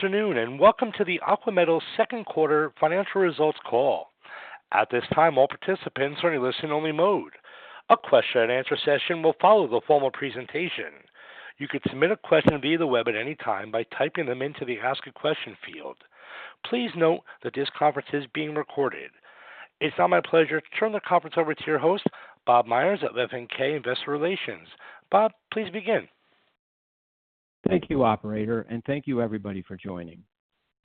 Good afternoon, and welcome to the Aqua Metals Second Quarter Financial Results Call. At this time, all participants are in a listen-only mode. A question-and-answer session will follow the formal presentation. You can submit a question via the web at any time by typing them into the Ask a Question field. Please note that this conference is being recorded. It's now my pleasure to turn the conference over to your host, Bob Meyers, of FNK Investor Relations. Bob, please begin. Thank you, operator. Thank you everybody for joining.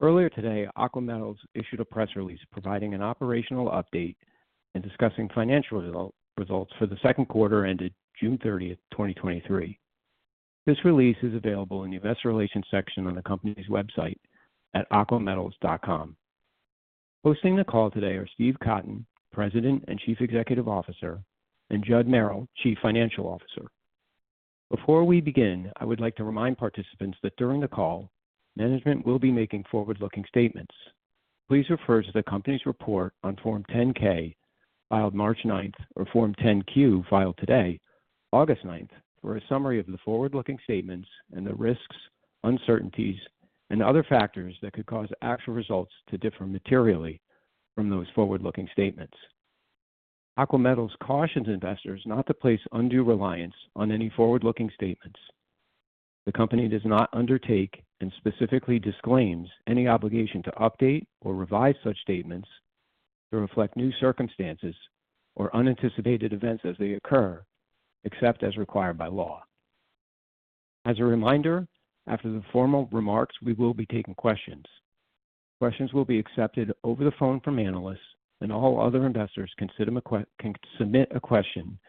Earlier today, Aqua Metals issued a press release providing an operational update and discussing financial results for the second quarter ended June 30th, 2023. This release is available in the Investor Relations section on the company's website at aquametals.com. Hosting the call today are Steve Cotton, President and Chief Executive Officer, and Judd Merrill, Chief Financial Officer. Before we begin, I would like to remind participants that during the call, management will be making forward-looking statements. Please refer to the company's report on Form 10-K, filed March 9th, or Form 10-Q, filed today, August 9th, for a summary of the forward-looking statements and the risks, uncertainties, and other factors that could cause actual results to differ materially from those forward-looking statements. Aqua Metals cautions investors not to place undue reliance on any forward-looking statements. The company does not undertake, and specifically disclaims, any obligation to update or revise such statements to reflect new circumstances or unanticipated events as they occur, except as required by law. As a reminder, after the formal remarks, we will be taking questions. Questions will be accepted over the phone from analysts, and all other investors can submit a question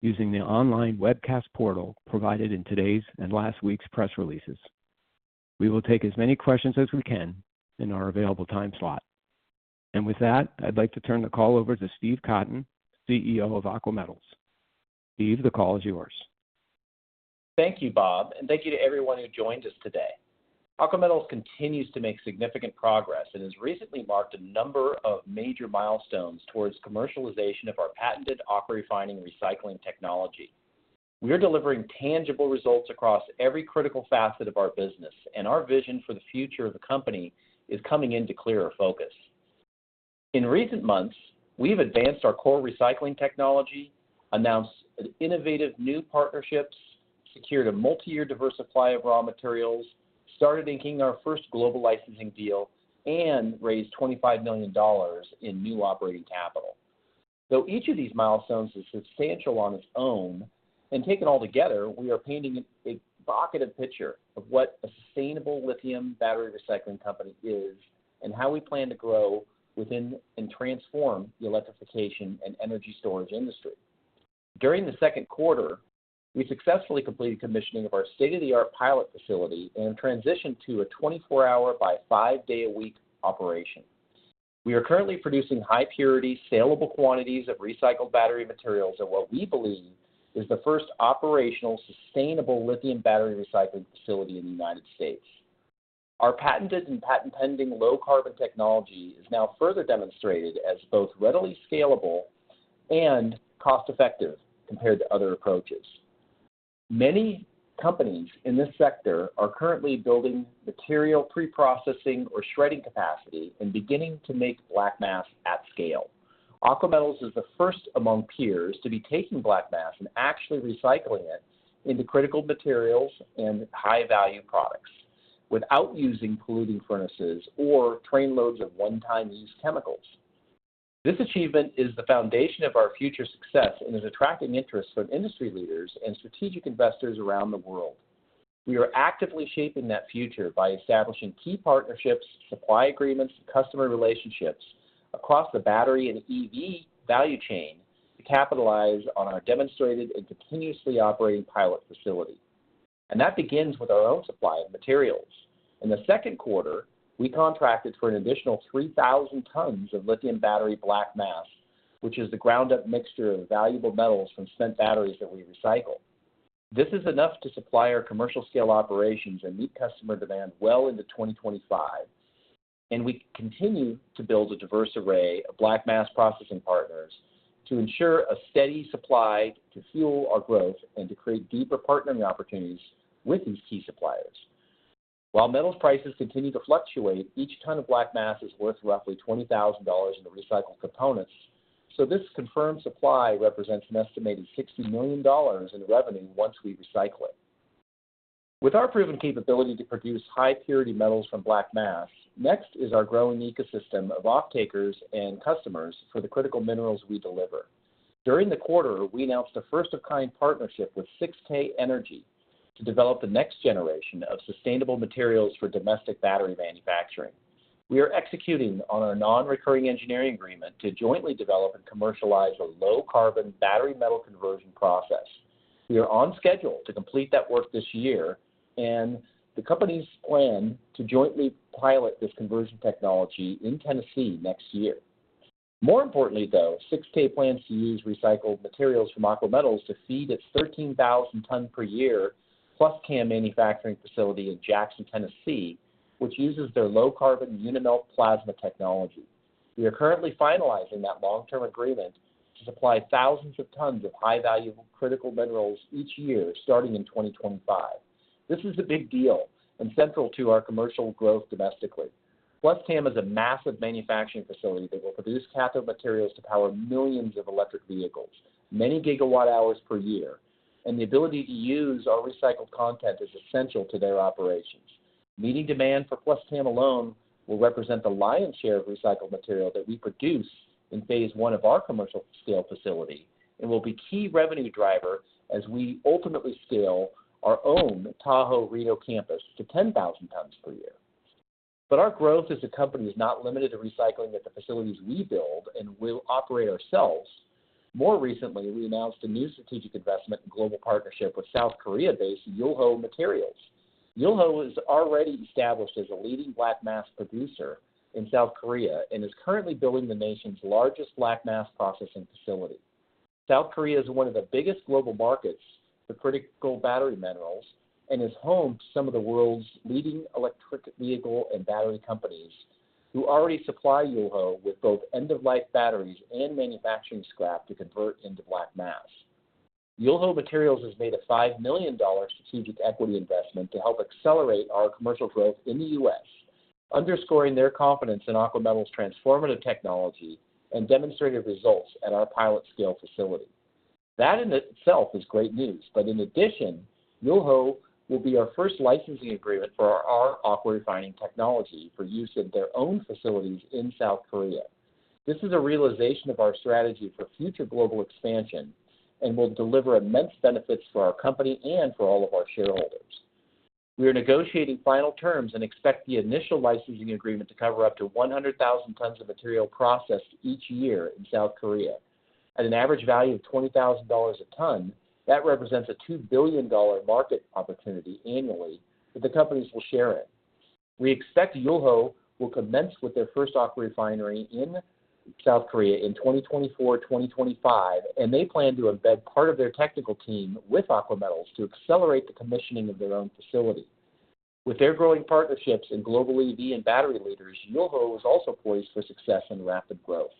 using the online webcast portal provided in today's and last week's press releases. We will take as many questions as we can in our available time slot. With that, I'd like to turn the call over to Steve Cotton, CEO of Aqua Metals. Steve, the call is yours. Thank you, Bob, and thank you to everyone who joined us today. Aqua Metals continues to make significant progress and has recently marked a number of major milestones towards commercialization of our patented AquaRefining recycling technology. We are delivering tangible results across every critical facet of our business, and our vision for the future of the company is coming into clearer focus. In recent months, we've advanced our core recycling technology, announced innovative new partnerships, secured a multi-year diverse supply of raw materials, started inking our first global licensing deal, and raised $25 million in new operating capital. Though each of these milestones is substantial on its own, and taken all together, we are painting a evocative picture of what a sustainable lithium battery recycling company is and how we plan to grow within and transform the electrification and energy storage industry. During the second quarter, we successfully completed commissioning of our state-of-the-art pilot facility and transitioned to a 24-hour by 5-day-a-week operation. We are currently producing high-purity, salable quantities of recycled battery materials in what we believe is the first operational, sustainable lithium battery recycling facility in the United States. Our patented and patent-pending low-carbon technology is now further demonstrated as both readily scalable and cost-effective compared to other approaches. Many companies in this sector are currently building material pre-processing or shredding capacity and beginning to make black mass at scale. Aqua Metals is the first among peers to be taking black mass and actually recycling it into critical materials and high-value products, without using polluting furnaces or train loads of one-time use chemicals. This achievement is the foundation of our future success and is attracting interest from industry leaders and strategic investors around the world. We are actively shaping that future by establishing key partnerships, supply agreements, and customer relationships across the battery and EV value chain to capitalize on our demonstrated and continuously operating pilot facility. That begins with our own supply of materials. In the second quarter, we contracted for an additional 3,000 tons of lithium battery black mass, which is the ground-up mixture of valuable metals from spent batteries that we recycle. This is enough to supply our commercial-scale operations and meet customer demand well into 2025. We continue to build a diverse array of black mass processing partners to ensure a steady supply, to fuel our growth and to create deeper partnering opportunities with these key suppliers. While metals prices continue to fluctuate, each ton of black mass is worth roughly $20,000 in recycled components. This confirmed supply represents an estimated $60 million in revenue once we recycle it. With our proven capability to produce high-purity metals from black mass, next is our growing ecosystem of off-takers and customers for the critical minerals we deliver. During the quarter, we announced a first-of-its-kind partnership with 6K Energy to develop the next generation of sustainable materials for domestic battery manufacturing. We are executing on our non-recurring engineering agreement to jointly develop and commercialize a low-carbon battery metal conversion process. We are on schedule to complete that work this year. The companies plan to jointly pilot this conversion technology in Tennessee next year. More importantly, though, 6K plans to use recycled materials from Aqua Metals to feed its 13,000-ton per year PlusCAM manufacturing facility in Jackson, Tennessee, which uses their low-carbon UniMelt plasma technology. We are currently finalizing that long-term agreement to supply thousands of tons of high-value critical minerals each year, starting in 2025. This is a big deal and central to our commercial growth domestically. PlusCAM is a massive manufacturing facility that will produce cathode materials to power millions of electric vehicles, many gigawatt hours per year, and the ability to use our recycled content is essential to their operations. Meeting demand for PlusCAM alone will represent the lion's share of recycled material that we produce in phase one of our commercial scale facility and will be key revenue driver as we ultimately scale our own Tahoe Reno campus to 10,000 tons per year. Our growth as a company is not limited to recycling at the facilities we build and will operate ourselves. More recently, we announced a new strategic investment and global partnership with South Korea-based Yulho Materials. Yulho is already established as a leading black mass producer in South Korea and is currently building the nation's largest black mass processing facility. South Korea is one of the biggest global markets for critical battery minerals and is home to some of the world's leading electric vehicle and battery companies, who already supply Yulho with both end-of-life batteries and manufacturing scrap to convert into black mass. Yulho Materials has made a $5 million strategic equity investment to help accelerate our commercial growth in the U.S., underscoring their confidence in Aqua Metals' transformative technology and demonstrated results at our pilot scale facility. That in itself is great news. In addition, Yulho will be our first licensing agreement for our AquaRefining technology for use in their own facilities in South Korea. This is a realization of our strategy for future global expansion and will deliver immense benefits for our company and for all of our shareholders. We are negotiating final terms and expect the initial licensing agreement to cover up to 100,000 tons of material processed each year in South Korea. At an average value of $20,000 a ton, that represents a $2 billion market opportunity annually, that the companies will share it. We expect Yulho will commence with their first AquaRefinery in South Korea in 2024, 2025, and they plan to embed part of their technical team with Aqua Metals to accelerate the commissioning of their own facility. With their growing partnerships and global EV and battery leaders, Yulho is also poised for success and rapid growth.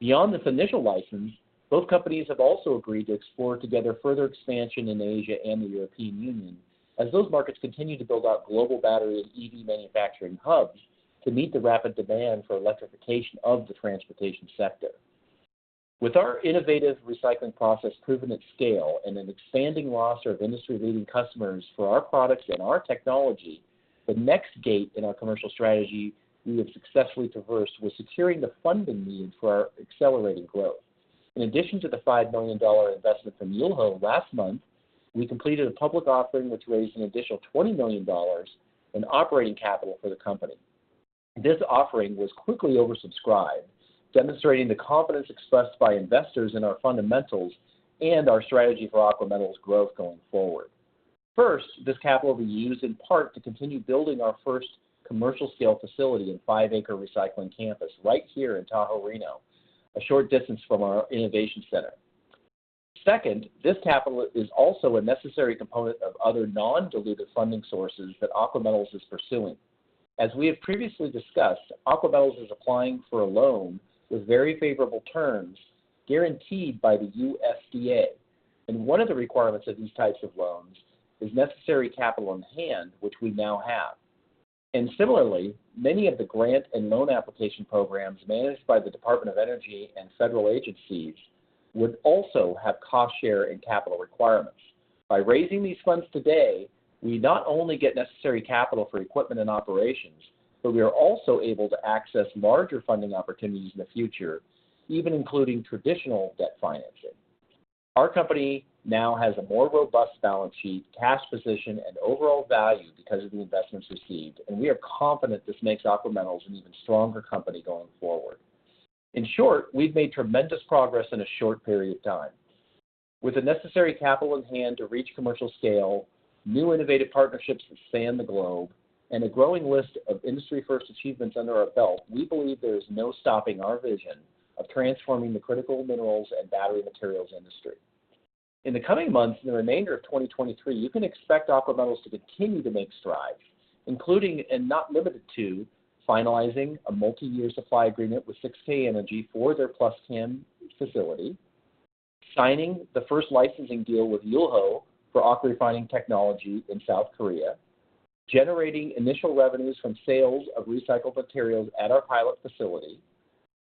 Beyond this initial license, both companies have also agreed to explore together further expansion in Asia and the European Union, as those markets continue to build out global battery and EV manufacturing hubs to meet the rapid demand for electrification of the transportation sector. With our innovative recycling process proven at scale and an expanding roster of industry-leading customers for our products and our technology, the next gate in our commercial strategy we have successfully traversed was securing the funding needed for our accelerated growth. In addition to the $5 million investment from Yulho last month, we completed a public offering which raised an additional $20 million in operating capital for the company. This offering was quickly oversubscribed, demonstrating the confidence expressed by investors in our fundamentals and our strategy for Aqua Metals' growth going forward. First, this capital will be used in part to continue building our first commercial-scale facility and five-acre recycling campus right here in Tahoe Reno, a short distance from our innovation center. Second, this capital is also a necessary component of other non-dilutive funding sources that Aqua Metals is pursuing. As we have previously discussed, Aqua Metals is applying for a loan with very favorable terms guaranteed by the USDA, and one of the requirements of these types of loans is necessary capital on hand, which we now have. Similarly, many of the grant and loan application programs managed by the Department of Energy and federal agencies would also have cost share and capital requirements. By raising these funds today, we not only get necessary capital for equipment and operations, but we are also able to access larger funding opportunities in the future, even including traditional debt financing. Our company now has a more robust balance sheet, cash position, and overall value because of the investments received, and we are confident this makes Aqua Metals an even stronger company going forward. In short, we've made tremendous progress in a short period of time. With the necessary capital in hand to reach commercial scale, new innovative partnerships that span the globe, and a growing list of industry-first achievements under our belt, we believe there is no stopping our vision of transforming the critical minerals and battery materials industry. In the coming months, in the remainder of 2023, you can expect Aqua Metals to continue to make strides, including and not limited to, finalizing a multi-year supply agreement with 6K Energy for their PlusCAM facility, signing the first licensing deal with Yulho for AquaRefining technology in South Korea, generating initial revenues from sales of recycled materials at our pilot facility,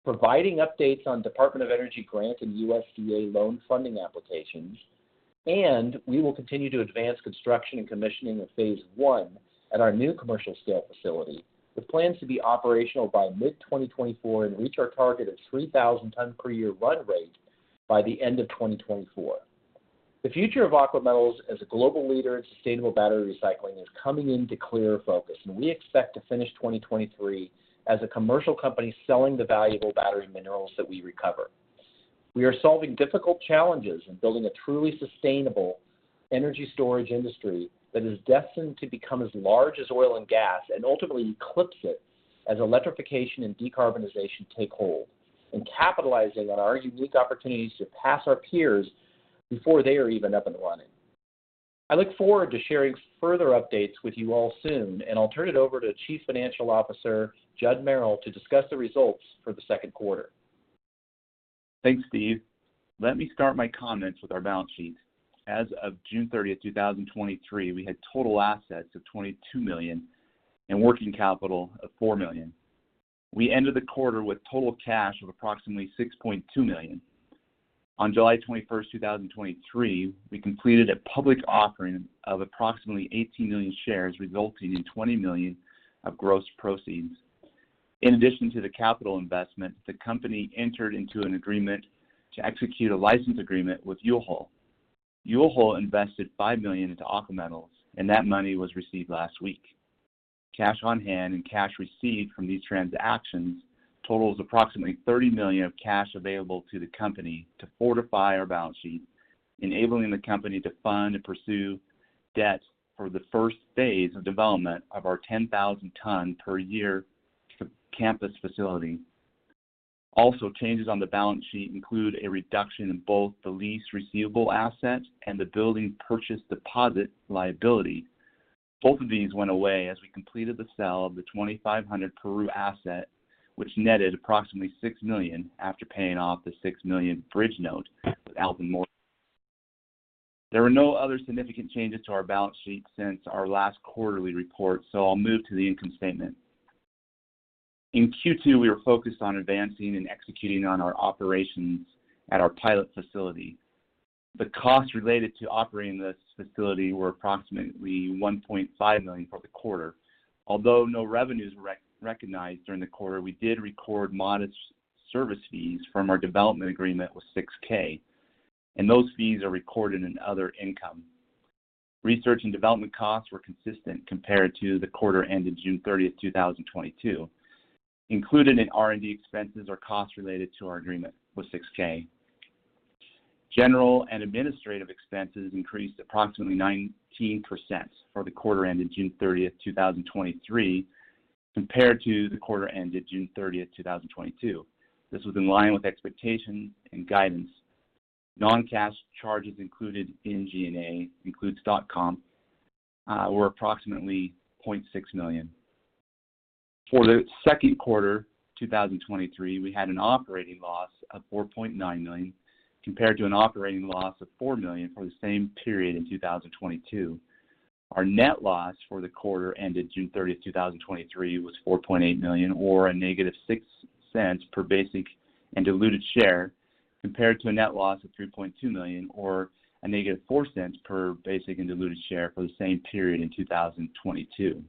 providing updates on Department of Energy grant and USDA loan funding applications. We will continue to advance construction and commissioning of phase I at our new commercial scale facility, with plans to be operational by mid-2024 and reach our target of 3,000 tons per year run rate by the end of 2024. The future of Aqua Metals as a global leader in sustainable battery recycling is coming into clear focus, and we expect to finish 2023 as a commercial company selling the valuable battery minerals that we recover. We are solving difficult challenges and building a truly sustainable energy storage industry that is destined to become as large as oil and gas, and ultimately eclipse it as electrification and decarbonization take hold, and capitalizing on our unique opportunities to pass our peers before they are even up and running. I look forward to sharing further updates with you all soon, and I'll turn it over to Chief Financial Officer, Judd Merrill, to discuss the results for the second quarter. Thanks, Steve. Let me start my comments with our balance sheet. As of June 30th, 2023, we had total assets of $22 million and working capital of $4 million. We ended the quarter with total cash of approximately $6.2 million. On July 21st, 2023, we completed a public offering of approximately 18 million shares, resulting in $20 million of gross proceeds. In addition to the capital investment, the company entered into an agreement to execute a license agreement with Yulho. Yulho invested $5 million into Aqua Metals. That money was received last week. Cash on hand and cash received from these transactions totals approximately $30 million of cash available to the company to fortify our balance sheet, enabling the company to fund and pursue debts for the first phase of development of our 10,000 ton per year campus facility. Also, changes on the balance sheet include a reduction in both the lease receivable asset and the building purchase deposit liability. Both of these went away as we completed the sale of the 2500 Peru asset, which netted approximately $6 million after paying off the $6 million bridge note with Alpen Mortgage. There were no other significant changes to our balance sheet since our last quarterly report, so I'll move to the income statement. In Q2, we were focused on advancing and executing on our operations at our pilot facility. The costs related to operating this facility were approximately $1.5 million for the quarter. Although no revenues were recognized during the quarter, we did record modest service fees from our development agreement with 6K, and those fees are recorded in other income. Research and development costs were consistent compared to the quarter ended June 30th, 2022. Included in R&D expenses or costs related to our agreement with 6K. General and administrative expenses increased approximately 19% for the quarter ended June 30th, 2023, compared to the quarter ended June 30th, 2022. This was in line with expectations and guidance. Non-cash charges included in G&A, includes stock comp, were approximately $0.6 million. For the second quarter 2023, we had an operating loss of $4.9 million, compared to an operating loss of $4 million for the same period in 2022. Our net loss for the quarter ended June 30th, 2023, was $4.8 million, or -$0.06 per basic and diluted share, compared to a net loss of $3.2 million or -$0.04 per basic and diluted share for the same period in 2022.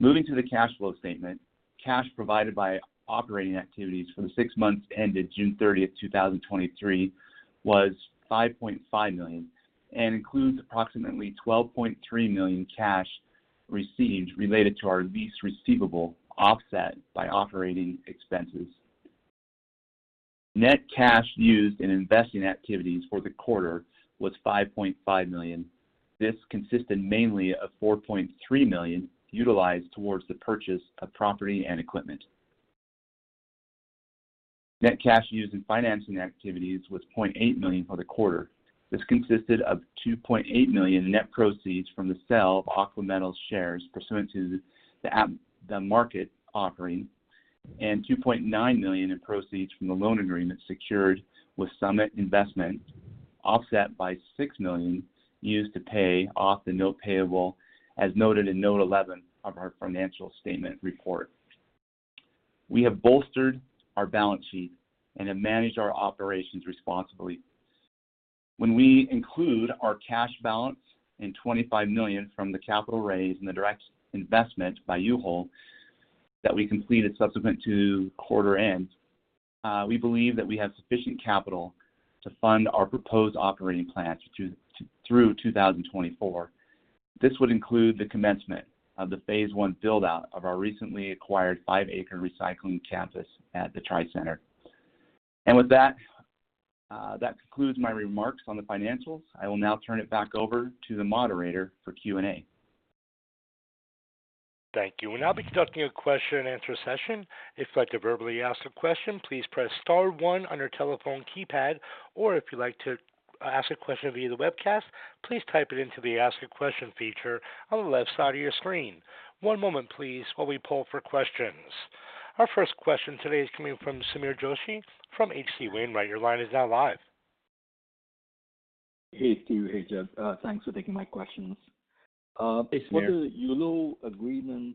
Moving to the cash flow statement. Cash provided by operating activities for the six months ended June 30, 2023, was $5.5 million and includes approximately $12.3 million cash received related to our lease receivable, offset by operating expenses. Net cash used in investing activities for the quarter was $5.5 million. This consisted mainly of $4.3 million utilized towards the purchase of property and equipment. Net cash used in financing activities was $0.8 million for the quarter. This consisted of $2.8 million net proceeds from the sale of Aqua Metals shares pursuant to the at-the-market offering, and $2.9 million in proceeds from the loan agreement secured with Summit Investment, offset by $6 million used to pay off the note payable, as noted in note 11 of our financial statement report. We have bolstered our balance sheet and have managed our operations responsibly. When we include our cash balance in $25 million from the capital raise and the direct investment by Yulho that we completed subsequent to quarter end, we believe that we have sufficient capital to fund our proposed operating plans to, through 2024. This would include the commencement of the phase one build-out of our recently acquired five-acre recycling campus at the Tri-Center. With that, that concludes my remarks on the financials. I will now turn it back over to the moderator for Q&A. Thank you. We'll now be conducting a question and answer session. If you'd like to verbally ask a question, please press star one on your telephone keypad, or if you'd like to ask a question via the webcast, please type it into the Ask a Question feature on the left side of your screen. One moment please, while we poll for questions. Our first question today is coming from Sameer Joshi from H.C. Wainwright. Your line is now live. Hey, Steve. Hey, Judd. Thanks for taking my questions. Hey, Sameer. What is the Yulho agreement?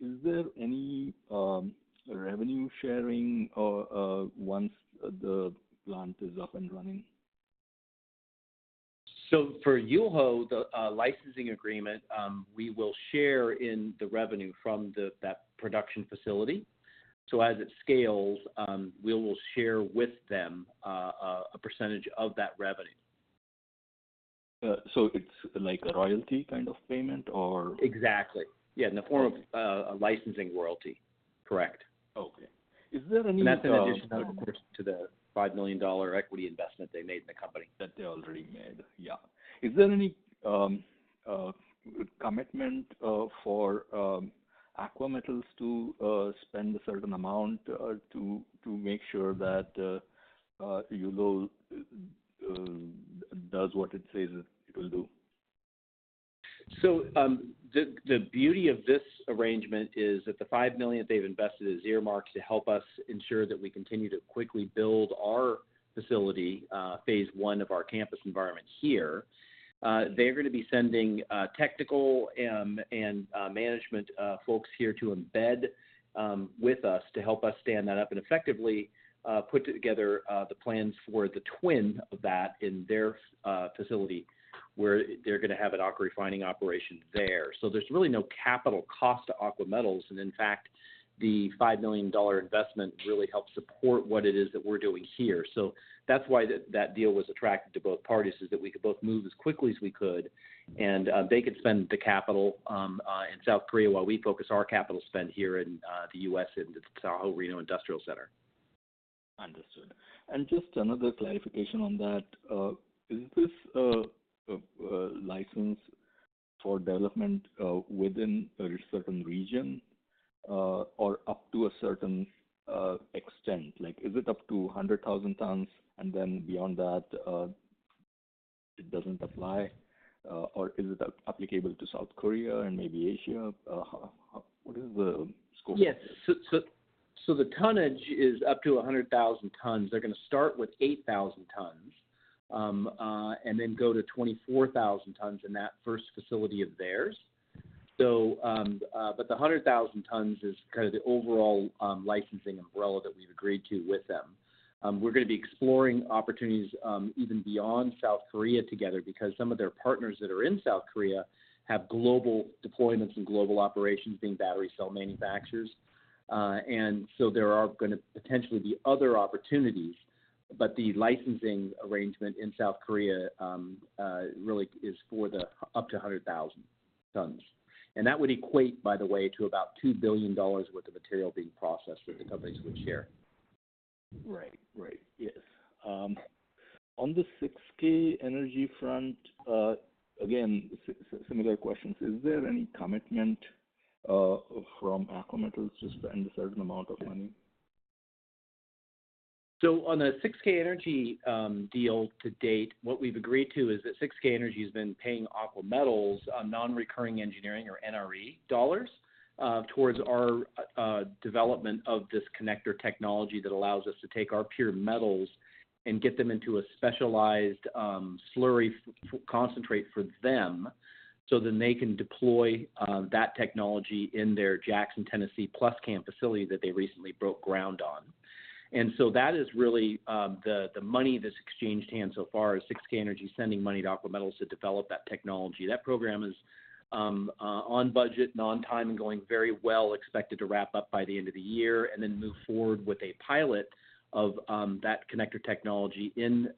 Is there any revenue sharing or once the plant is up and running? For Yulho, the, licensing agreement, we will share in the revenue from the, that production facility. As it scales, we will share with them, a percentage of that revenue. It's like a royalty kind of payment, or? Exactly. Yeah, in the form of a licensing royalty. Correct. Okay. Is there any? That's in addition, of course, to the $5 million equity investment they made in the company. That they already made, yeah. Is there any commitment for Aqua Metals to spend a certain amount to to make sure that Yulho does what it says it will do? The beauty of this arrangement is that the $5 million they've invested is earmarked to help us ensure that we continue to quickly build our facility, phase one of our campus environment here. They're going to be sending technical and management folks here to embed with us to help us stand that up and effectively put together the plans for the twin of that in their facility, where they're gonna have an AquaRefining operation there. There's really no capital cost to Aqua Metals, and in fact, the $5 million investment really helps support what it is that we're doing here. That's why that, that deal was attractive to both parties, is that we could both move as quickly as we could, and they could spend the capital in South Korea, while we focus our capital spend here in the U.S., in the Tahoe Reno Industrial Center. Understood. Just another clarification on that. Is this a license for development within a certain region or up to a certain extent? Like, is it up to 100,000 tons, and then beyond that, it doesn't apply? Is it applicable to South Korea and maybe Asia? What is the scope? Yes. The tonnage is up to 100,000 tons. They're gonna start with 8,000 tons and then go to 24,000 tons in that first facility of theirs. The 100,000 tons is kind of the overall licensing umbrella that we've agreed to with them. We're gonna be exploring opportunities even beyond South Korea together, because some of their partners that are in South Korea have global deployments and global operations, being battery cell manufacturers. There are gonna potentially be other opportunities, but the licensing arrangement in South Korea really is for the up to 100,000 tons. That would equate, by the way, to about $2 billion worth of material being processed with the companies we share. Right. Right. Yes. On the 6K Energy front, again, similar questions. Is there any commitment from Aqua Metals to spend a certain amount of money? On the 6K Energy deal to date, what we've agreed to is that 6K Energy has been paying Aqua Metals on Non-Recurring Engineering or NRE dollars towards our development of this connector technology that allows us to take our pure metals and get them into a specialized slurry concentrate for them, so then they can deploy that technology in their Jackson, Tennessee, PlusCAM facility that they recently broke ground on. That is really the money that's exchanged hands so far, is 6K Energy sending money to Aqua Metals to develop that technology. That program is on budget, on time and going very well, expected to wrap up by the end of the year, and then move forward with a pilot of that connector technology in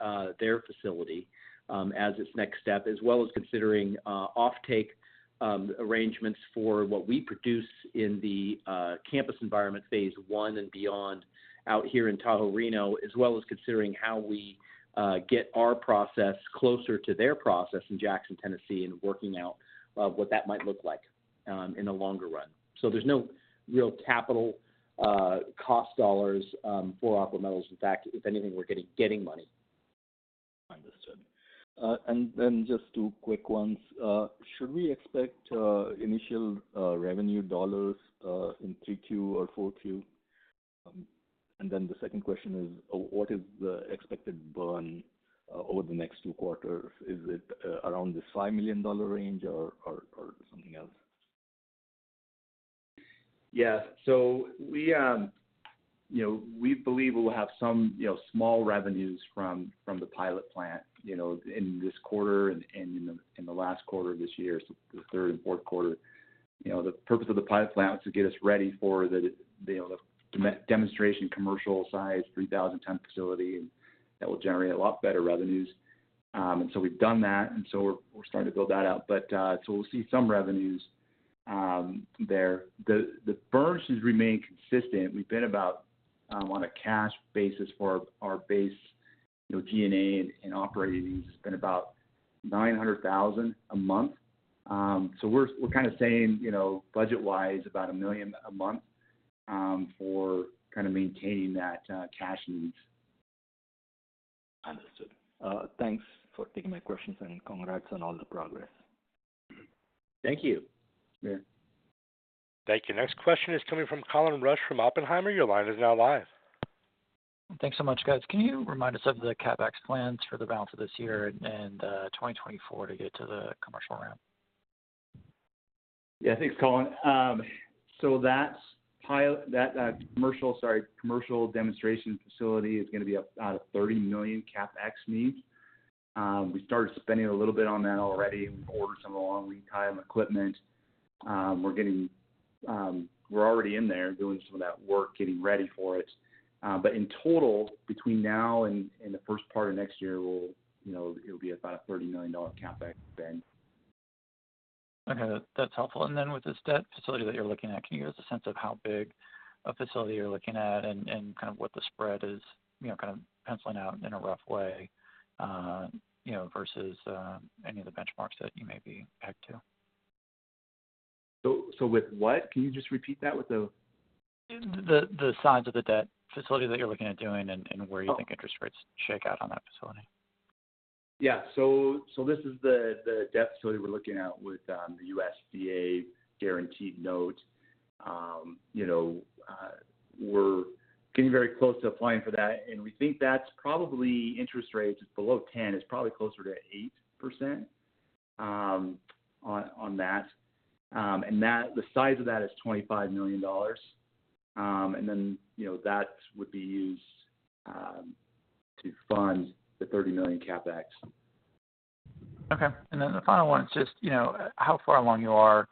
their facility as its next step, as well as considering offtake arrangements for what we produce in the campus environment, phase one and beyond, out here in Tahoe Reno, as well as considering how we get our process closer to their process in Jackson, Tennessee, and working out what that might look like in the longer run. There's no real capital cost dollars for Aqua Metals. In fact, if anything, we're getting, getting money. Understood. Just two quick ones. Should we expect initial revenue dollars in 3Q or 4Q? The second question is, what is the expected burn over the next two quarters? Is it around this $5 million range or, or, or something else? Yeah. We, you know, we believe we'll have some, you know, small revenues from, from the pilot plant, you know, in this quarter and in the last quarter of this year, so the third and fourth quarter. You know, the purpose of the pilot plant was to get us ready for the demonstration commercial-size, 3,000 ton facility, and that will generate a lot better revenues. We're starting to build that out. We'll see some revenues there. The burns has remained consistent. We've been about, on a cash basis for our base, you know, G&A and operating has been about $900,000 a month. We're, we're kind of saying, you know, budget-wise, about $1 million a month for kind of maintaining that cash needs. Understood. Thanks for taking my questions, and congrats on all the progress. Thank you. Yeah. Thank you. Next question is coming from Colin Rusch from Oppenheimer. Your line is now live. Thanks so much, guys. Can you remind us of the CapEx plans for the balance of this year and 2024 to get to the commercial ramp? Yeah. Thanks, Colin. That pilot, that, Sorry, commercial demonstration facility is gonna be about a $30 million CapEx need. We started spending a little bit on that already. We've ordered some long lead time equipment. We're already in there doing some of that work, getting ready for it. In total, between now and, and the first part of next year, you know, it'll be about a $30 million CapEx spend. Okay, that's helpful. With this debt facility that you're looking at, can you give us a sense of how big a facility you're looking at and, and kind of what the spread is, you know, kind of penciling out in a rough way, you know, versus any of the benchmarks that you may be pegged to? So with what? Can you just repeat that with the- The size of the debt facility that you're looking at doing and where you think interest rates shake out on that facility? Yeah. This is the, the debt facility we're looking at with, the USDA guaranteed note. You know, we're getting very close to applying for that, and we think that's probably interest rates below 10. It's probably closer to 8% on, on that. That- the size of that is $25 million. Then, you know, that would be used, to fund the $30 million CapEx. Okay. Then the final one is just, you know, how far along you are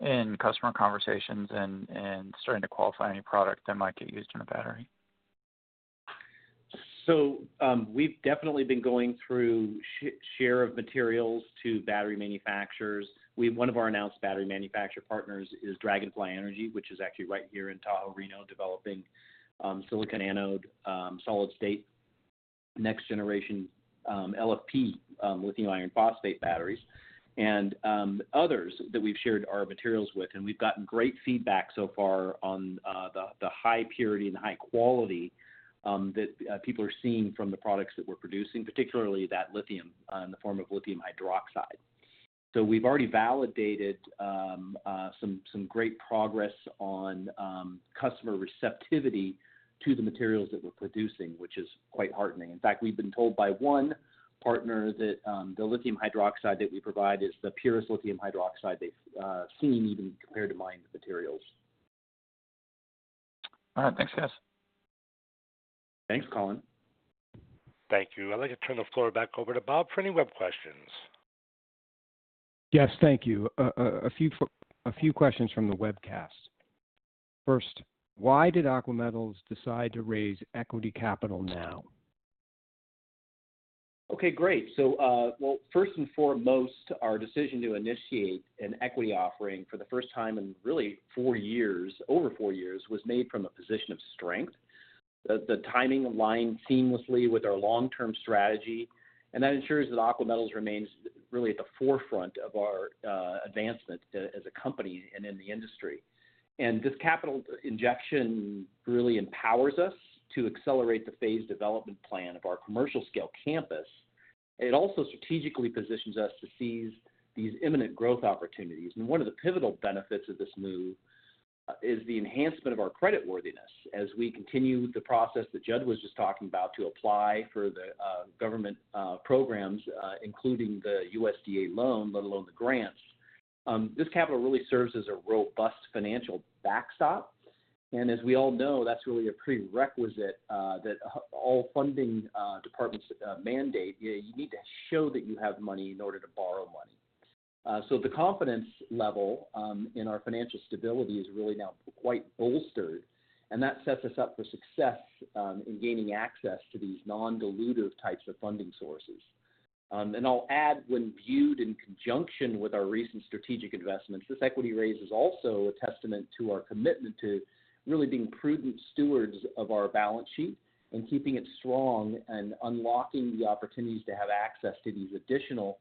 in customer conversations and starting to qualify any product that might get used in a battery? We've definitely been going through share of materials to battery manufacturers. One of our announced battery manufacturer partners is Dragonfly Energy, which is actually right here in Tahoe, Reno, developing silicon anode, solid-state, next-generation LFP, lithium iron phosphate batteries. Others that we've shared our materials with, and we've gotten great feedback so far on the high purity and high quality that people are seeing from the products that we're producing, particularly that lithium in the form of lithium hydroxide. We've already validated some great progress on customer receptivity to the materials that we're producing, which is quite heartening. In fact, we've been told by one partner that the lithium hydroxide that we provide is the purest lithium hydroxide they've seen, even compared to mined materials. All right. Thanks, guys. Thanks, Colin. Thank you. I'd like to turn the floor back over to Bob for any web questions. Yes, thank you. A few, a few questions from the webcast. First, why did Aqua Metals decide to raise equity capital now? Okay, great. Well, first and foremost, our decision to initiate an equity offering for the first time in really 4 years, over 4 years, was made from a position of strength. The timing aligned seamlessly with our long-term strategy, and that ensures that Aqua Metals remains really at the forefront of our advancement as a company and in the industry. This capital injection really empowers us to accelerate the phase development plan of our commercial scale campus. It also strategically positions us to seize these imminent growth opportunities. One of the pivotal benefits of this move is the enhancement of our creditworthiness. As we continue the process that Judd was just talking about, to apply for the government programs, including the USDA loan, let alone the grants, this capital really serves as a robust financial backstop. As we all know, that's really a prerequisite, that all funding departments mandate. You need to show that you have money in order to borrow money. The confidence level in our financial stability is really now quite bolstered, and that sets us up for success in gaining access to these non-dilutive types of funding sources. I'll add, when viewed in conjunction with our recent strategic investments, this equity raise is also a testament to our commitment to really being prudent stewards of our balance sheet and keeping it strong and unlocking the opportunities to have access to these additional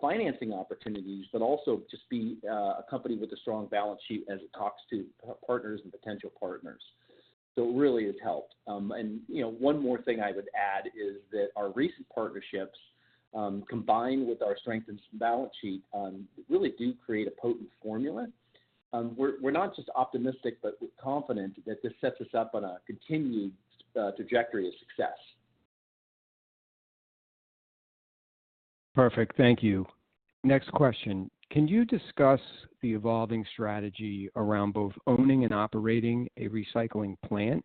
financing opportunities, but also just be a company with a strong balance sheet as it talks to partners and potential partners. It really has helped. You know, one more thing I would add is that our recent partnerships, combined with our strengthened balance sheet, really do create a potent formula. We're, we're not just optimistic, but we're confident that this sets us up on a continued trajectory of success. Perfect. Thank you. Next question: Can you discuss the evolving strategy around both owning and operating a recycling plant,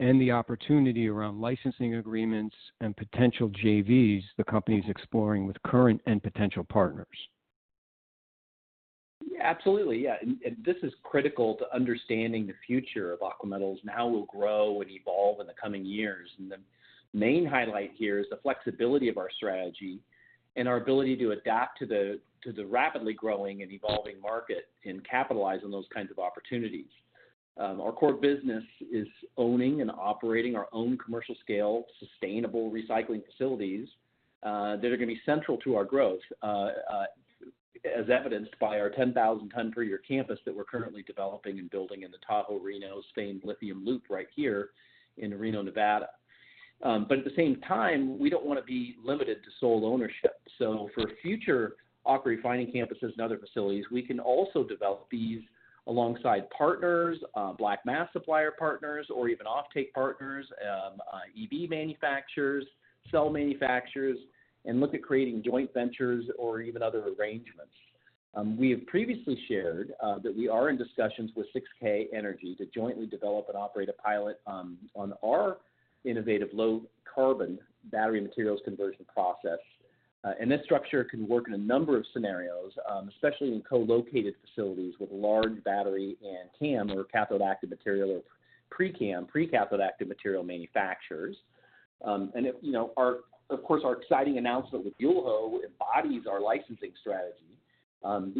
and the opportunity around licensing agreements and potential JVs the company is exploring with current and potential partners? Absolutely, yeah, this is critical to understanding the future of Aqua Metals and how we'll grow and evolve in the coming years. The main highlight here is the flexibility of our strategy and our ability to adapt to the rapidly growing and evolving market and capitalize on those kinds of opportunities. Our core business is owning and operating our own commercial-scale, sustainable recycling facilities that are going to be central to our growth as evidenced by our 10,000 ton per year campus that we're currently developing and building in the Tahoe Reno Sustainable Lithium Loop right here in Reno, Nevada. At the same time, we don't want to be limited to sole ownership. For future AquaRefinery campuses and other facilities, we can also develop these alongside partners, black mass supplier partners, or even offtake partners, EV manufacturers, cell manufacturers, and look at creating joint ventures or even other arrangements. We have previously shared that we are in discussions with 6K Energy to jointly develop and operate a pilot on our innovative low-carbon battery materials conversion process. This structure can work in a number of scenarios, especially in co-located facilities with large battery and CAM or cathode active material, pCAM, precursor cathode active material manufacturers. You know, our-- of course, our exciting announcement with Yulho embodies our licensing strategy,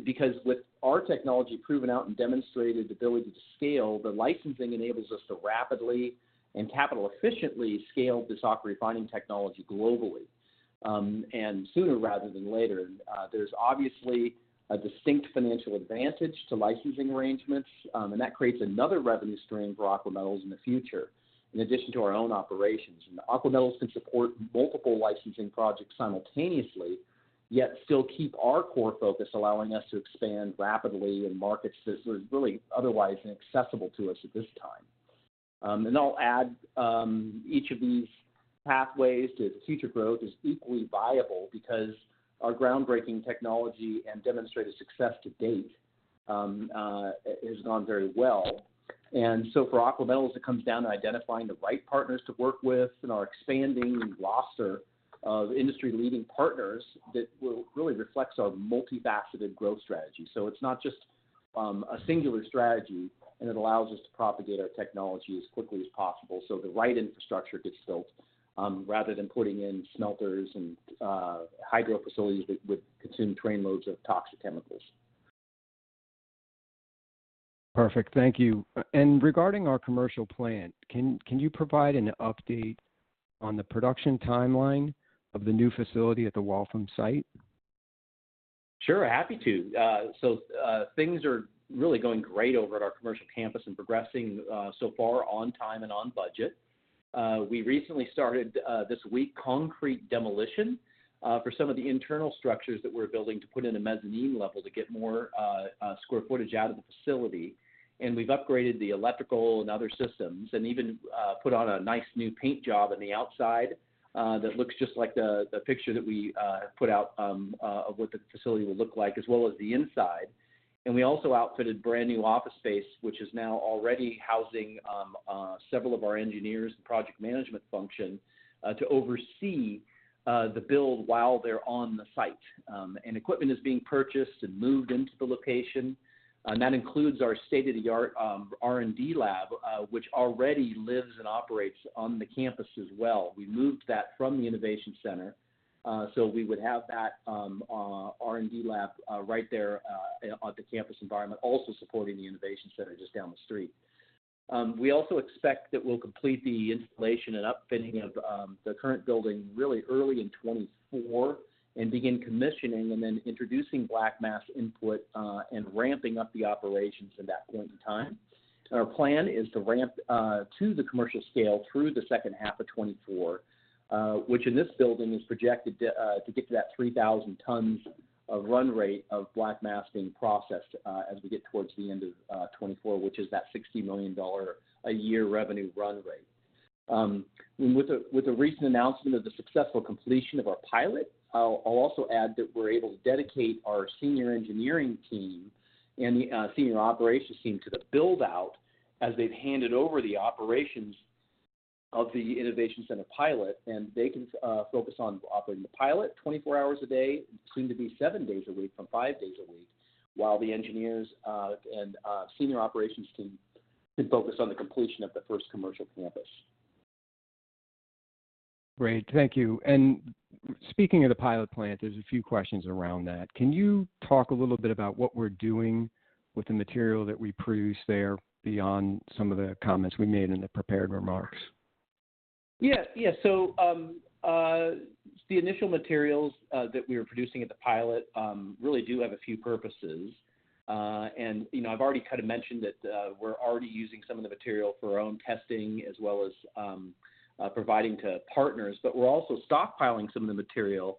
because with our technology proven out and demonstrated the ability to scale, the licensing enables us to rapidly and capital efficiently scale this AquaRefining technology globally... Sooner rather than later. There's obviously a distinct financial advantage to licensing arrangements, that creates another revenue stream for Aqua Metals in the future, in addition to our own operations. Aqua Metals can support multiple licensing projects simultaneously, yet still keep our core focus, allowing us to expand rapidly in markets that are really otherwise inaccessible to us at this time. I'll add, each of these pathways to future growth is equally viable because our groundbreaking technology and demonstrated success to date, has gone very well. For Aqua Metals, it comes down to identifying the right partners to work with and our expanding roster of industry-leading partners that will really reflects our multifaceted growth strategy. It's not just a singular strategy, and it allows us to propagate our technology as quickly as possible so the right infrastructure gets built, rather than putting in smelters and hydro facilities that would consume train loads of toxic chemicals. Perfect. Thank you. Regarding our commercial plant, can you provide an update on the production timeline of the new facility at the Waltham site? Sure, happy to. Things are really going great over at our commercial campus and progressing so far on time and on budget. We recently started this week, concrete demolition, for some of the internal structures that we're building to put in a mezzanine level to get more square footage out of the facility. We've upgraded the electrical and other systems, and even put on a nice new paint job on the outside that looks just like the picture that we put out of what the facility would look like, as well as the inside. We also outfitted brand-new office space, which is now already housing several of our engineers and project management function to oversee the build while they're on the site. Equipment is being purchased and moved into the location, and that includes our state-of-the-art R&D lab, which already lives and operates on the campus as well. We moved that from the innovation center, so we would have that R&D lab right there on the campus environment, also supporting the innovation center just down the street. We also expect that we'll complete the installation and upfitting of the current building really early in 2024, and begin commissioning, and then introducing black mass input, and ramping up the operations at that point in time. Our plan is to ramp to the commercial scale through the second half of 2024, which in this building is projected to get to that 3,000 tons of run rate of black mass being processed, as we get towards the end of 2024, which is that $60 million a year revenue run rate. With the, with the recent announcement of the successful completion of our pilot, I'll also add that we're able to dedicate our senior engineering team and the senior operations team to the build-out as they've handed over the operations of the innovation center pilot, and they can focus on operating the pilot 24 hours a day, soon to be 7 days a week from 5 days a week, while the engineers and senior operations team can focus on the completion of the first commercial campus. Great. Thank you. Speaking of the pilot plant, there's a few questions around that. Can you talk a little bit about what we're doing with the material that we produce there, beyond some of the comments we made in the prepared remarks? Yeah. Yeah. The initial materials that we are producing at the pilot really do have a few purposes. You know, I've already kind of mentioned that we're already using some of the material for our own testing, as well as providing to partners, but we're also stockpiling some of the material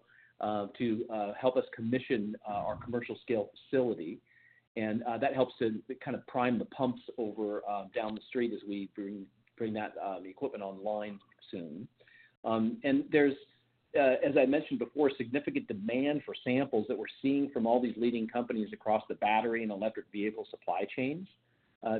to help us commission our commercial scale facility. That helps to kind of prime the pumps over down the street as we bring, bring that the equipment online soon. There's, as I mentioned before, significant demand for samples that we're seeing from all these leading companies across the battery and electric vehicle supply chains.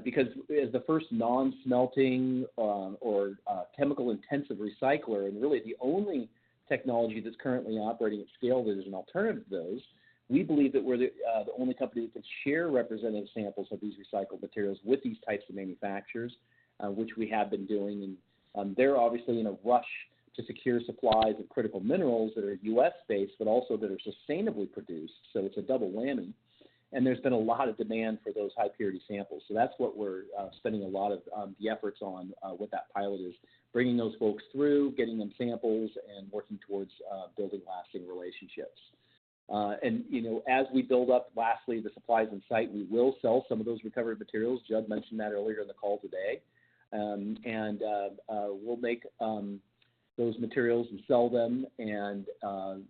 Because as the first non-smelting, or chemical-intensive recycler, and really the only technology that's currently operating at scale that is an alternative to those, we believe that we're the only company that can share representative samples of these recycled materials with these types of manufacturers, which we have been doing. They're obviously in a rush to secure supplies of critical minerals that are U.S.-based, but also that are sustainably produced, so it's a double whammy. There's been a lot of demand for those high-purity samples. That's what we're spending a lot of the efforts on, what that pilot is, bringing those folks through, getting them samples, and working towards building lasting relationships. You know, as we build up, lastly, the supplies on site, we will sell some of those recovered materials. Judd mentioned that earlier in the call today. We'll make those materials and sell them, and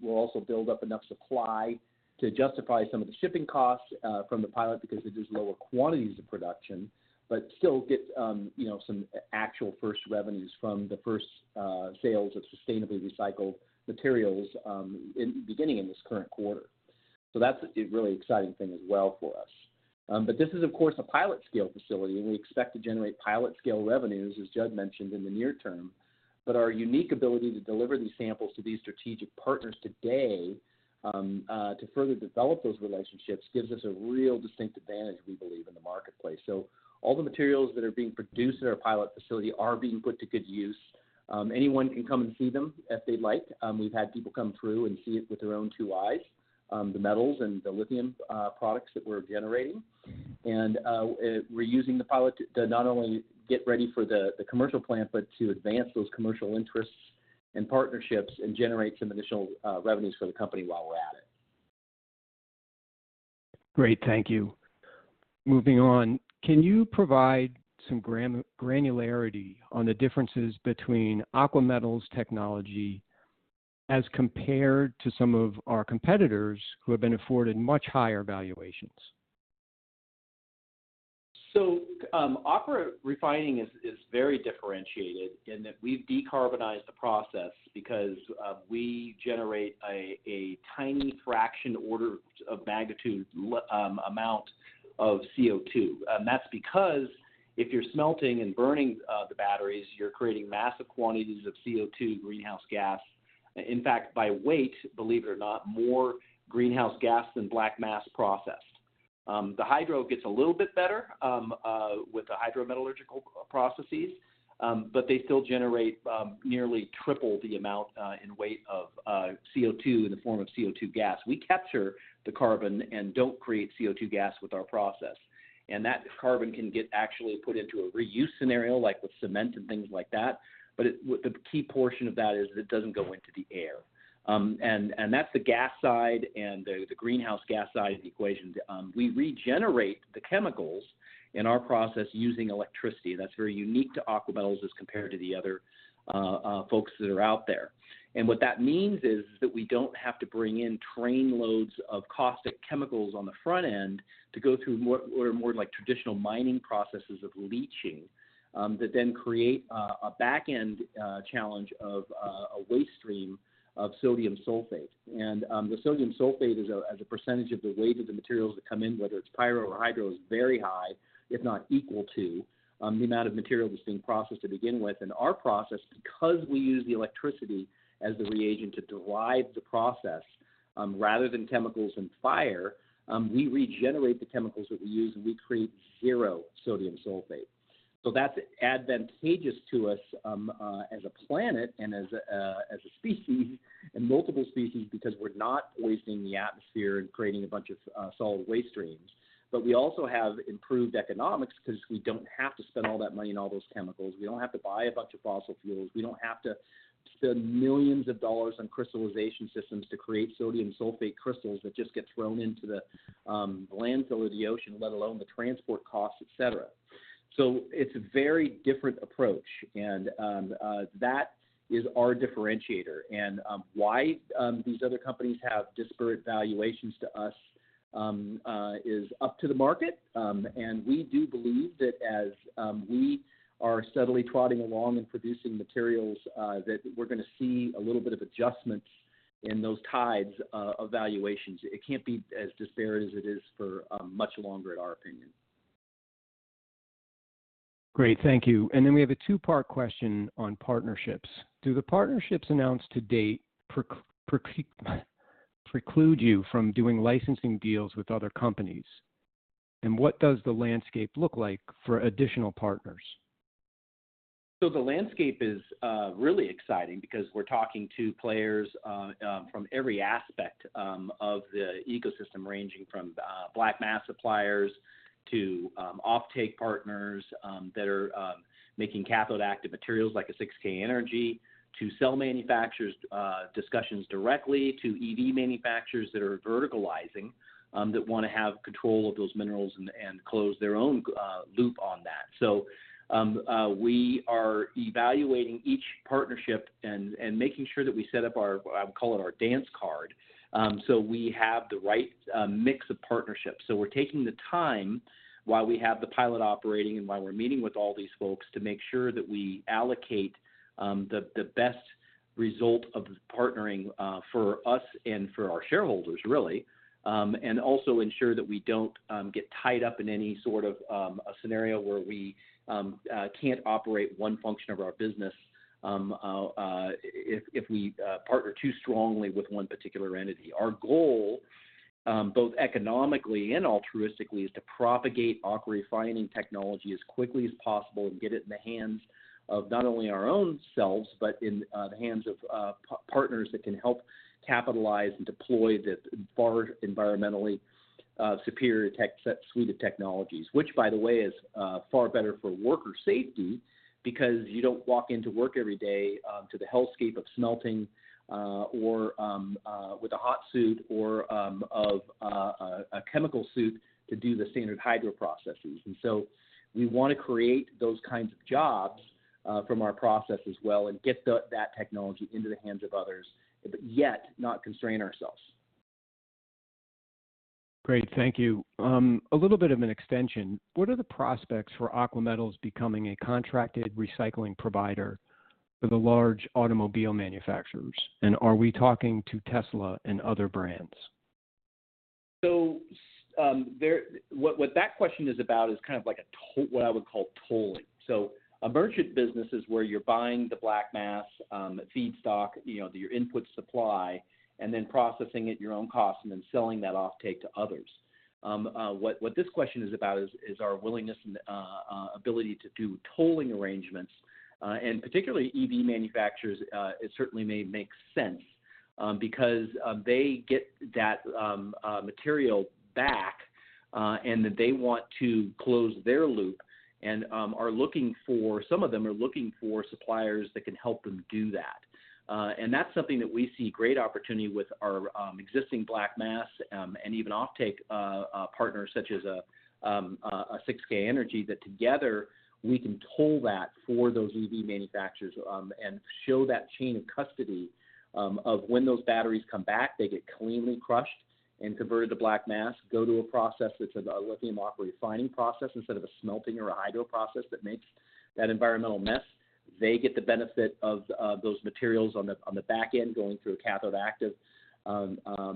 we'll also build up enough supply to justify some of the shipping costs from the pilot, because it is lower quantities of production, but still get, you know, some actual first revenues from the first sales of sustainably recycled materials beginning in this current quarter. That's a really exciting thing as well for us. This is, of course, a pilot scale facility, and we expect to generate pilot scale revenues, as Judd mentioned, in the near term. Our unique ability to deliver these samples to these strategic partners today to further develop those relationships, gives us a real distinct advantage, we believe, in the marketplace. All the materials that are being produced in our pilot facility are being put to good use. Anyone can come and see them if they'd like. We've had people come through and see it with their own two eyes, the metals and the lithium products that we're generating. We're using the pilot to not only get ready for the commercial plant, but to advance those commercial interests and partnerships and generate some additional revenues for the company while we're at it. Great, thank you. Moving on, can you provide some granularity on the differences between Aqua Metals' technology as compared to some of our competitors who have been afforded much higher valuations? AquaRefining is very differentiated in that we've decarbonized the process because we generate a tiny fraction order of magnitude amount of CO2. That's because if you're smelting and burning the batteries, you're creating massive quantities of CO2 greenhouse gas. In fact, by weight, believe it or not, more greenhouse gas than black mass processed. The hydro gets a little bit better with the hydrometallurgical processes, but they still generate nearly triple the amount in weight of CO2 in the form of CO2 gas. We capture the carbon and don't create CO2 gas with our process, and that carbon can get actually put into a reuse scenario, like with cement and things like that. The key portion of that is it doesn't go into the air. That's the gas side and the greenhouse gas side of the equation. We regenerate the chemicals in our process using electricity. That's very unique to Aqua Metals as compared to the other folks that are out there. What that means is, is that we don't have to bring in train loads of caustic chemicals on the front end to go through what are more like traditional mining processes of leaching that then create a back end challenge of a waste stream of sodium sulfate. The sodium sulfate, as a percentage of the weight of the materials that come in, whether it's pyro or hydro, is very high, if not equal to the amount of material that's being processed to begin with. Our process, because we use the electricity as the reagent to drive the process, rather than chemicals and fire, we regenerate the chemicals that we use, and we create zero sodium sulfate. That's advantageous to us as a planet and as a species and multiple species, because we're not wasting the atmosphere and creating a bunch of solid waste streams. We also have improved economics because we don't have to spend all that money on all those chemicals. We don't have to buy a bunch of fossil fuels. We don't have to spend millions of dollars on crystallization systems to create sodium sulfate crystals that just get thrown into the landfill or the ocean, let alone the transport costs, et cetera. It's a very different approach, and that is our differentiator. Why these other companies have disparate valuations to us is up to the market. We do believe that as we are steadily trotting along and producing materials, that we're going to see a little bit of adjustments in those tides of valuations. It can't be as disparate as it is for much longer, in our opinion. Great, thank you. Then we have a two-part question on partnerships. Do the partnerships announced to date preclude you from doing licensing deals with other companies? What does the landscape look like for additional partners? The landscape is really exciting because we're talking to players from every aspect of the ecosystem, ranging from black mass suppliers to offtake partners that are making cathode active materials like a 6K Energy, to cell manufacturers, discussions directly, to EV manufacturers that are verticalizing that want to have control of those minerals and close their own loop on that. We are evaluating each partnership and making sure that we set up our, I would call it our dance card, so we have the right mix of partnerships. We're taking the time while we have the pilot operating and while we're meeting with all these folks, to make sure that we allocate the best result of the partnering for us and for our shareholders, really. Also ensure that we don't get tied up in any sort of a scenario where we can't operate one function of our business if we partner too strongly with one particular entity. Our goal, both economically and altruistically, is to propagate AquaRefining technology as quickly as possible and get it in the hands of not only our own selves, but in the hands of partners that can help capitalize and deploy this far environmentally superior tech suite of technologies. Which, by the way, is far better for worker safety, because you don't walk into work every day to the hellscape of smelting or with a hot suit or of a chemical suit to do the standard hydro processes. We want to create those kinds of jobs, from our process as well and get that technology into the hands of others, but yet not constrain ourselves. Great, thank you. A little bit of an extension: What are the prospects for Aqua Metals becoming a contracted recycling provider for the large automobile manufacturers? And are we talking to Tesla and other brands? There... What, what that question is about is kind of like a to- what I would call tolling. A merchant business is where you're buying the black mass feedstock, you know, your input supply, and then processing it your own cost and then selling that offtake to others. What, what this question is about is, is our willingness and ability to do tolling arrangements. Particularly EV manufacturers, it certainly may make sense because they get that material back, and that they want to close their loop and are looking for-- some of them are looking for suppliers that can help them do that. And that's something that we see great opportunity with our existing black mass and even offtake partners such as a 6K Energy, that together we can toll that for those EV manufacturers and show that chain of custody of when those batteries come back, they get cleanly crushed and converted to black mass, go to a process that's a lithium AquaRefining process instead of a smelting or a hydro process that makes that environmental mess. They get the benefit of those materials on the back end, going through a cathode active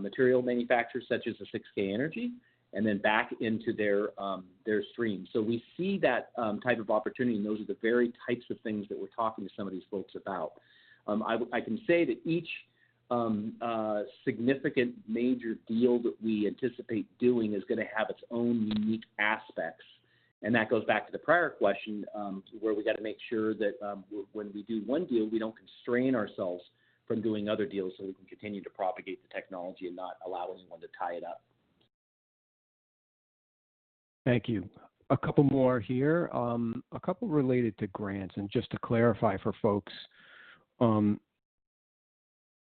material manufacturer such as a 6K Energy, and then back into their their stream. So we see that type of opportunity, and those are the very types of things that we're talking to some of these folks about. I can say that each significant major deal that we anticipate doing is going to have its own unique aspects. That goes back to the prior question, to where we got to make sure that when we do one deal, we don't constrain ourselves from doing other deals, so we can continue to propagate the technology and not allow anyone to tie it up. Thank you. A couple more here. A couple related to grants, just to clarify for folks,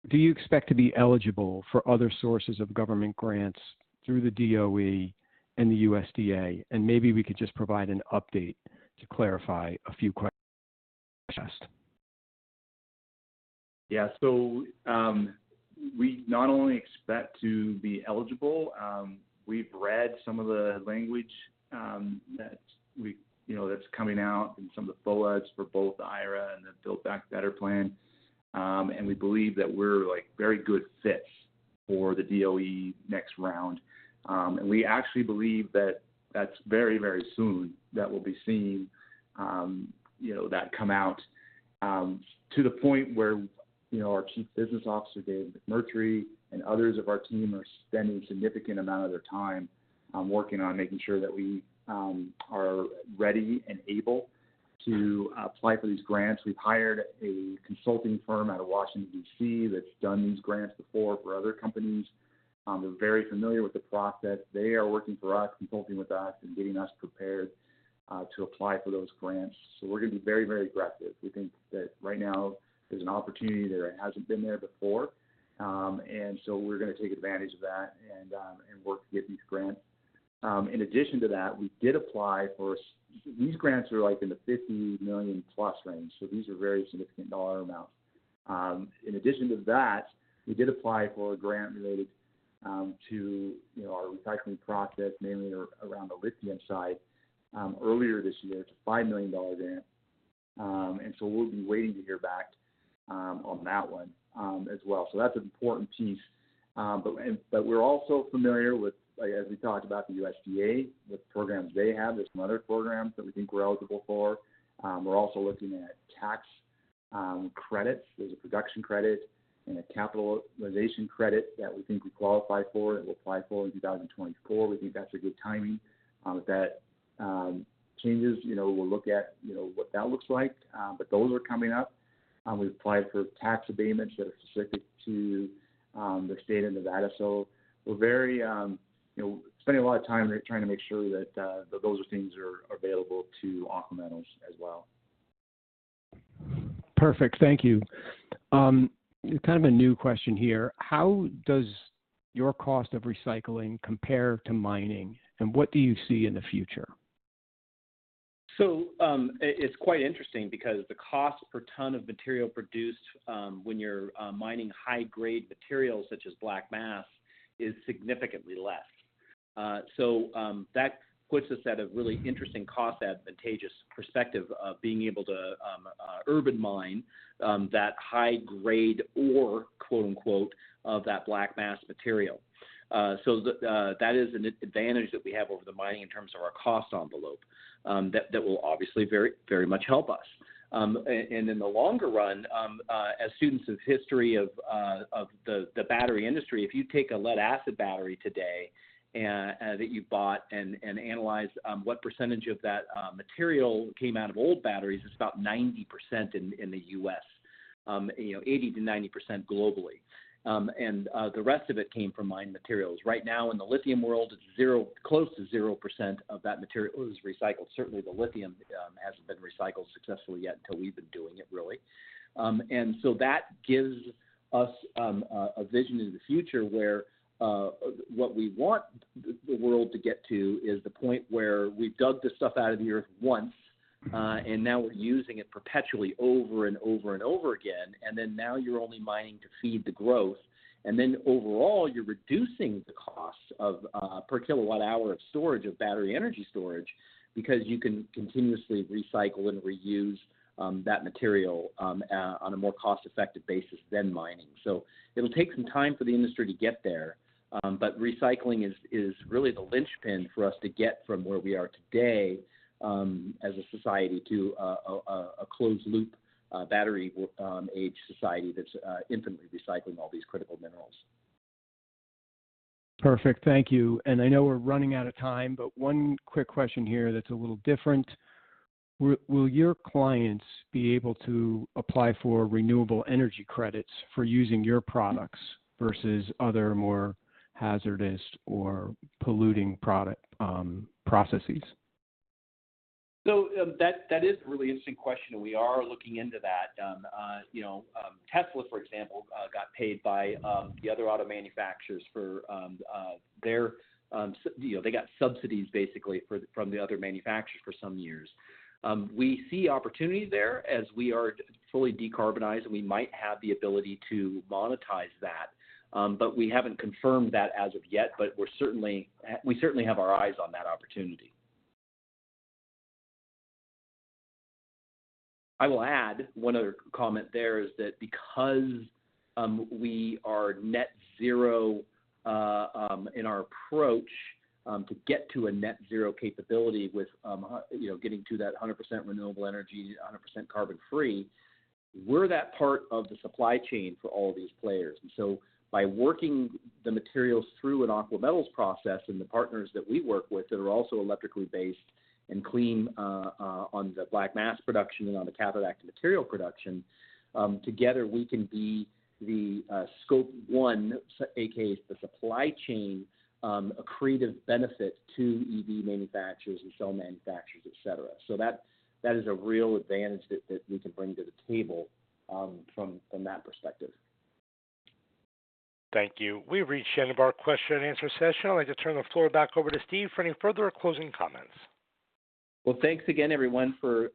do you expect to be eligible for other sources of government grants through the DOE and the USDA? Maybe we could just provide an update to clarify a few questions asked. We not only expect to be eligible, we've read some of the language, that we, you know, that's coming out and some of the FOAs for both the IRA and the Build Back Better plan. We believe that we're, like, very good fits for the DOE next round. We actually believe that that's very, very soon that we'll be seeing, you know, that come out, to the point where, you know, our Chief Business Officer, Dave McMurtry, and others of our team are spending a significant amount of their time, working on making sure that we, are ready and able to apply for these grants. We've hired a consulting firm out of Washington, DC, that's done these grants before for other companies. They're very familiar with the process. They are working for us, consulting with us, and getting us prepared to apply for those grants. We're going to be very, very aggressive. We think that right now there's an opportunity that hasn't been there before, and so we're going to take advantage of that and work to get these grants. In addition to that, we did apply for... These grants are, like, in the $50 million+ range, so these are very significant dollar amounts. In addition to that, we did apply for a grant related to, you know, our recycling process, mainly around the lithium side, earlier this year. It's a $5 million grant, and so we'll be waiting to hear back on that one as well. That's an important piece. And, but we're also familiar with, as we talked about the USDA, the programs they have, there's some other programs that we think we're eligible for. We're also looking at tax credits. There's a production credit and a capitalization credit that we think we qualify for and we'll apply for in 2024. We think that's a good timing. If that changes, you know, we'll look at, you know, what that looks like, but those are coming up. We've applied for tax abatements that are specific to the state of Nevada. We're very, you know, spending a lot of time trying to make sure that those are things that are, are available to [Aqua Metals] as well. Perfect. Thank you. kind of a new question here: How does your cost of recycling compare to mining, and what do you see in the future? It's quite interesting because the cost per ton of material produced, when you're mining high-grade materials such as black mass, is significantly less. That puts us at a really interesting cost, advantageous perspective of being able to urban mine that high grade ore, quote-unquote, of that black mass material. That is an advantage that we have over the mining in terms of our cost envelope, that will obviously very, very much help us. In the longer run, as students of history of the battery industry, if you take a lead-acid battery today that you bought and analyze, what percentage of that material came out of old batteries, it's about 90% in the U.S., you know, 80%-90% globally. The rest of it came from mined materials. Right now, in the lithium world, it's zero, close to 0% of that material is recycled. Certainly, the lithium hasn't been recycled successfully yet until we've been doing it, really. That gives us a vision into the future where what we want the world to get to is the point where we've dug this stuff out of the earth once, and now we're using it perpetually over and over and over again, and then now you're only mining to feed the growth. Overall, you're reducing the cost of per kilowatt hour of storage, of battery energy storage, because you can continuously recycle and reuse that material on a more cost-effective basis than mining. It'll take some time for the industry to get there, but recycling is really the linchpin for us to get from where we are today as a society, to a closed loop battery age society that's infinitely recycling all these critical minerals. Perfect. Thank you. I know we're running out of time, but one quick question here that's a little different: Will, will your clients be able to apply for renewable energy credits for using your products versus other, more hazardous or polluting product, processes? So, um, that, that is a really interesting question, and we are looking into that. Um, uh, you know, um, Tesla, for example, uh, got paid by, um, the other auto manufacturers for, um, uh, their, um, s-- you know, they got subsidies basically for, from the other manufacturers for some years. Um, we see opportunity there. As we are fully decarbonized, we might have the ability to monetize that, um, but we haven't confirmed that as of yet. But we're certainly, uh, we certainly have our eyes on that opportunity. I will add one other comment there, is that because, um, we are net zero, uh, um, in our approach, um, to get to a net zero capability with, um, you know, getting to that hundred percent renewable energy, hundred percent carbon-free, we're that part of the supply chain for all of these players. By working the materials through an Aqua Metals process and the partners that we work with, that are also electrically based and clean, on the black mass production and on the cathode active material production, together, we can be the Scope 1, AKA the supply chain, accretive benefit to EV manufacturers and cell manufacturers, et cetera. That, that is a real advantage that, that we can bring to the table, from, from that perspective. Thank you. We've reached the end of our question and answer session. I'd like to turn the floor back over to Steve for any further closing comments. Well, thanks again, everyone, for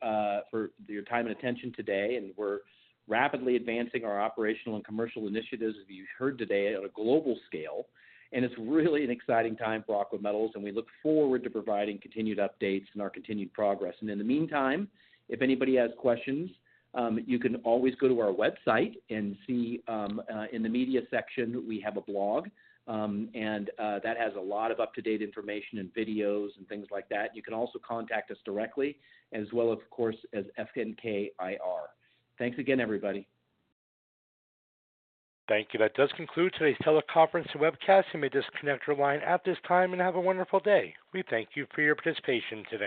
your time and attention today. We're rapidly advancing our operational and commercial initiatives, as you heard today, on a global scale. It's really an exciting time for Aqua Metals, and we look forward to providing continued updates and our continued progress. In the meantime, if anybody has questions, you can always go to our website and see in the media section, we have a blog, and that has a lot of up-to-date information and videos and things like that. You can also contact us directly, as well, of course, as FNK IR. Thanks again, everybody. Thank you. That does conclude today's teleconference and webcast. You may disconnect your line at this time, and have a wonderful day. We thank you for your participation today.